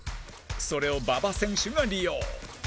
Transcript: それを馬場選手が利用